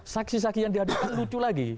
saksi saki yang diadakan lucu lagi